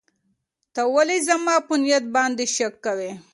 ته ولې زما په نیت باندې شک کوې؟